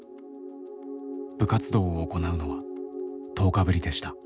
部活動を行うのは１０日ぶりでした。